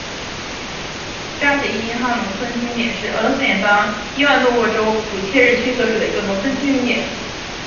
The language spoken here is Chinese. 扎捷伊哈农村居民点是俄罗斯联邦伊万诺沃州普切日区所属的一个农村居民点。